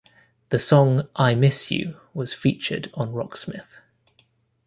The song "I Miss You" was featured on Rocksmith.